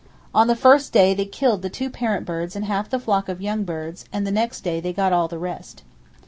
On the first day they killed the two parent birds and half the flock of young birds, and the next day they got all the rest.